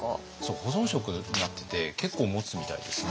保存食になってて結構もつみたいですね。